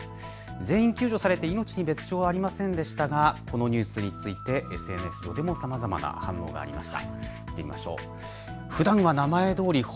全員救助されて命に別状はありませんでしたがこのニュースについてＳＮＳ上でもさまざまな反応がありました。